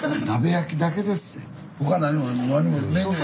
他何も何も。